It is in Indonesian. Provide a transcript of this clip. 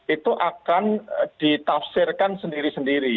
itu akan ditafsirkan sendiri sendiri